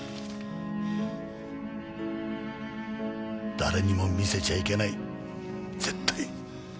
誰にも見せちゃいけない絶対。